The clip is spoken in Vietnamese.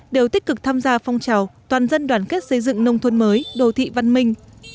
đều tích cực tham gia phong trào toàn dân đoàn kết xây dựng nông thôn mới đồ thị văn minh